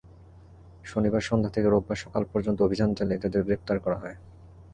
শনিবার সন্ধ্যা থেকে রোববার সকাল পর্যন্ত অভিযান চালিয়ে তাঁদের গ্রেপ্তার করা হয়।